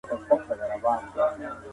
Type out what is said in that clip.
تاریخ باید د حقایقو هنداره وي.